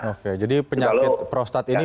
oke jadi penyakit prostat ini